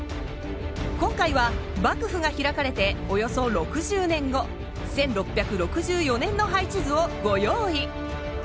今回は幕府が開かれておよそ６０年後１６６４年の配置図をご用意。